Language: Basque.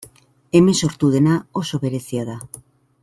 Hemen sortu dena oso berezia da.